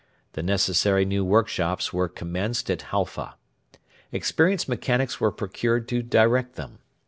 The necessary new workshops were commenced at Halfa. Experienced mechanics were procured to direct them.